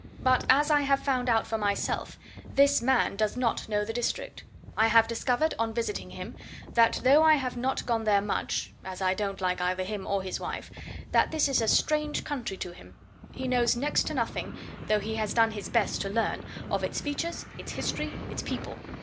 But, as I have found out for myself, this man does not know the district! I have discovered, on visiting him though I have not gone there much, as I don't like either him or his wife that this is a strange country to him. He knows next to nothing though he has done his best to learn of its features, its history, its people.